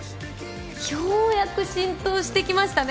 ようやく浸透してきましたね